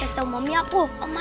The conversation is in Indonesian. bisa tawakan itu kokermu